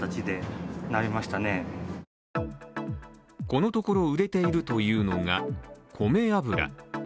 このところ売れているというのが、こめ油。